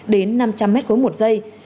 đến năm trăm linh m ba một giây